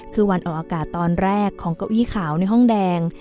คือวันออกอากาศตอนแรกของเก้าอี้ขาวในห้องแดง